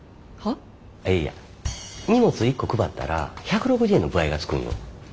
あっいや荷物１個配ったら１６０円の歩合がつくんよ。